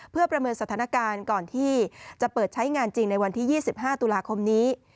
เพื่อประเมินสถานการณ์ก่อนที่จะเปิดใช้งานจริงในวันที่๒๕ตุลาคมนี้